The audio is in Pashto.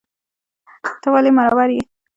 ته ولي مرور یې